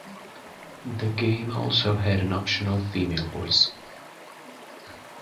The game also had an optional female voice.